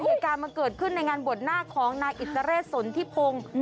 เหตุการณ์มันเกิดขึ้นในงานบวชหน้าของนายอิสระเรศสนทิพงศ์